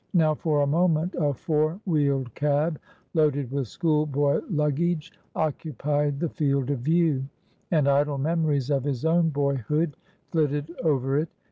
Now for a moment a four wheeled cab, loaded with schoolboy luggage, occupied the field of view, and idle memories of his own boyhood flitted over it.